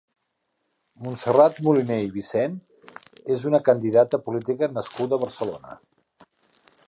Montserrat Moliner i Vicent és una candidata política nascuda a Barcelona.